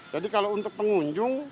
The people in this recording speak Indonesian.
jadi kalau untuk pengunjung